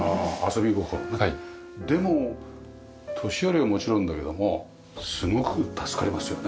でも年寄りはもちろんだけどもすごく助かりますよね。